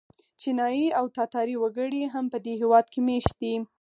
چینایي او تاتاري وګړي هم په دې هېواد کې مېشت دي.